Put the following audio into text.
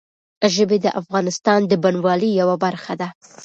ژبې د افغانستان د بڼوالۍ یوه برخه ده.